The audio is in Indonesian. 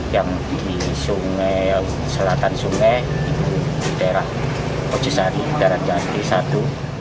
yang di sungai selatan sungai di daerah ocesari daerah jalan jalan tisadu